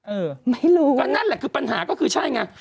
เออไม่รู้ก็นั่นแหละคือปัญหาก็คือใช่ไง